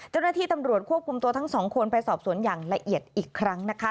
เจ้าหน้าที่ตำรวจควบคุมตัวทั้งสองคนไปสอบสวนอย่างละเอียดอีกครั้งนะคะ